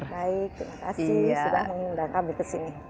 baik terima kasih sudah mengundang kami ke sini